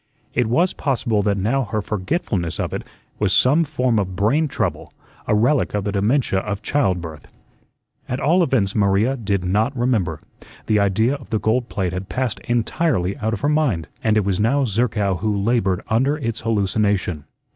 It was possible that now her FORGETFULNESS of it was some form of brain trouble, a relic of the dementia of childbirth. At all events Maria did not remember; the idea of the gold plate had passed entirely out of her mind, and it was now Zerkow who labored under its hallucination.